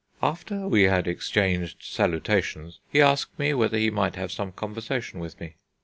After we had exchanged salutations, he asked me whether he might have some conversation with me.